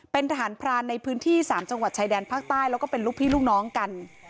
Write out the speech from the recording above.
เป็นทหารพรานในพื้นที่๓จังหวัดชายแดนภาคใต้แล้วก็เป็นลูกพี่ลูกน้องกัน